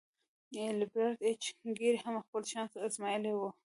ایلبرټ ایچ ګیري هم خپل چانس ازمایلی و